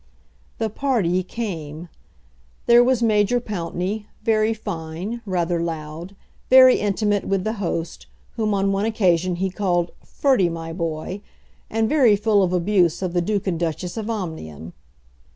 The "party" came. There was Major Pountney, very fine, rather loud, very intimate with the host, whom on one occasion he called "Ferdy, my boy," and very full of abuse of the Duke and Duchess of Omnium.